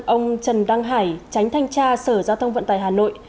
ông trần đăng hải tránh thanh tra sở giao thông vận tải hà nội